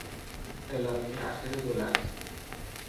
اعلامیهی اخیر دولت